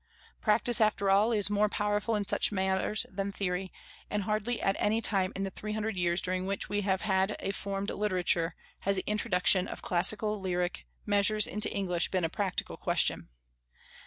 Practice, after all, is more powerful in such matters than theory; and hardly at any time in the three hundred years during which we have had a formed literature has the introduction of classical lyric measures into English been a practical question.